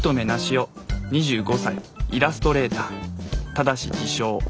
ただし自称。